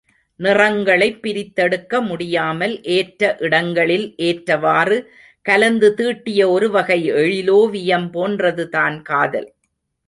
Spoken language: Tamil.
நிறங்களைப் பிரித்தெடுக்க முடியாமல் ஏற்ற இடங்களில் ஏற்றவாறு கலந்து தீட்டிய ஒருவகை எழிலோவியம் போன்றதுதான் காதல்.